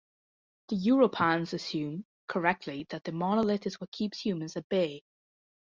The Europans assume, correctly, that the Monolith is what keeps humans at bay.